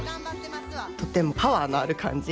とてもパワーのある感じ。